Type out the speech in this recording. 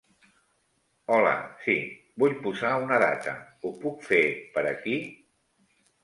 Hola, sí, vull posar una data, ho puc fer per aquí?